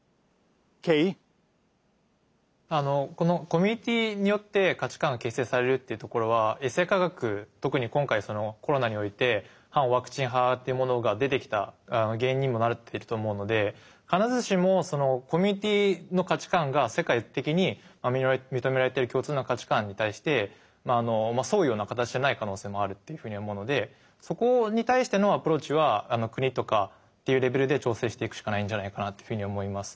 コミュニティーによって価値観が形成されるっていうところはエセ科学特に今回コロナにおいて反ワクチン派っていうものが出てきた原因にもなってると思うので必ずしもコミュニティーの価値観が世界的に認められてる共通の価値観に対してまああの沿うような形でない可能性もあるっていうふうに思うのでそこに対してのアプローチは国とかっていうレベルで調整していくしかないんじゃないかなっていうふうに思います。